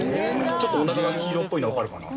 ちょっとお腹が黄色っぽいのわかるかな。